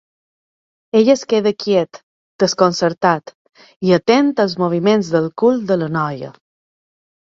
Ell es queda quiet, desconcertat i atent als moviments del cul de la noia.